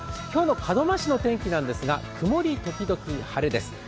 今日の門真市の天気なんですが曇り時々晴れです。